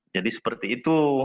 jadi seperti itu